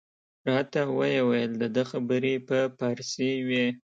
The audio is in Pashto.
راته ویې ویل د ده خبرې په فارسي وې.